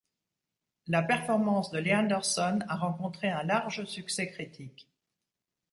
La performance de Leandersson a rencontré un large succès critique.